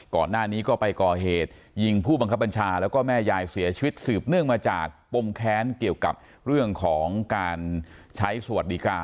ก่อนหน้านี้ก็ไปก่อเหตุยิงผู้บังคับบัญชาแล้วก็แม่ยายเสียชีวิตสืบเนื่องมาจากปมแค้นเกี่ยวกับเรื่องของการใช้สวัสดิการ